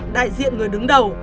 đại diện người đứng đầu